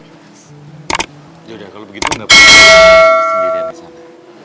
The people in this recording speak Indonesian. yaudah kalau begitu gak apa apa aku mau sendirian kesana